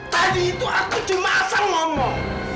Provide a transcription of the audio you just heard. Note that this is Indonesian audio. tadi itu aku cuma asal ngomong